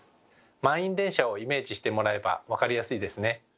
満員電車をイメージしてもらえば分かりやすいですね。